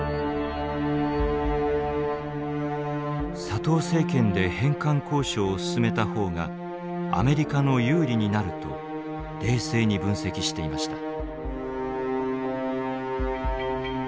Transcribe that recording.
佐藤政権で返還交渉を進めた方がアメリカの有利になると冷静に分析していました。